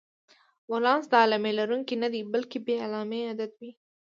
ولانس د علامې لرونکی نه دی، بلکې بې علامې عدد وي.